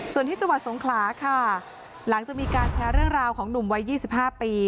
ส่วนที่จังหวัดสงขลาค่ะหลังจากมีการแชร์เรื่องราวของหนุ่มวัย๒๕ปี